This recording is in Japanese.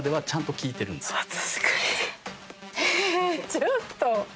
ちょっと！